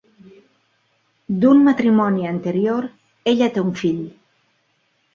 D'un matrimoni anterior, ella té un fill.